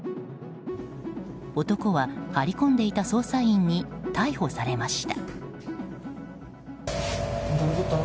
男は張り込んでいた捜査員に逮捕されました。